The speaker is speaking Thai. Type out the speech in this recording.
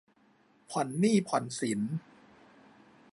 ผ่อนหนี้ผ่อนสิน